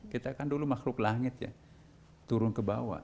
kita kan dulu makhluk langit ya turun ke bawah